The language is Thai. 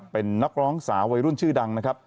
เป็นนักร้องสาววัยรุ่นชื่อดัง